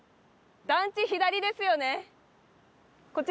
団地左ですよね？